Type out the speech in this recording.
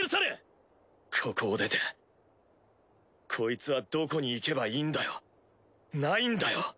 ここを出てコイツはどこに行けばいいんだよないんだよ